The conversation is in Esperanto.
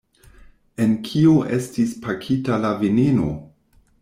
En kio estis pakita la veneno?